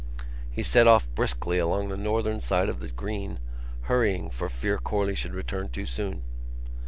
He set off briskly along the northern side of the Green hurrying for fear Corley should return too soon.